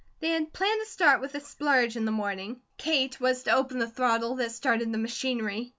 They had planned to start with a splurge in the morning. Kate was to open the throttle that started the machinery.